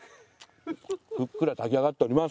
ふっくら炊き上がっております。